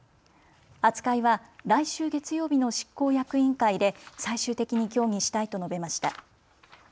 扱いは来週月曜日の執行役員会で最終的に協議したいと述べました。